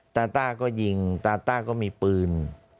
ต้าก็ยิงตาต้าก็มีปืน